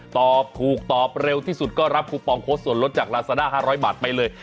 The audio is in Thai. ตอบถูกตอบเร็วที่สุดก็รับคูปองโค้ชส่วนลดจากลาซาด้า๕๐๐บาทไปเลย